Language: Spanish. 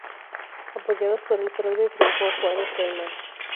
Apoyados por el fraude triunfó Juárez Celman.